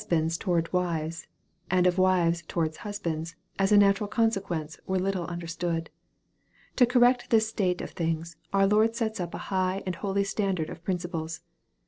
bands towards wives, and of wives towards husbands, as a natural consequence, were little understood. To cor rect this state of things, our Lord sets up a high and holy standard of principles.